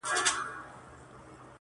گوره ځوانـيمـرگ څه ښـه وايــي؛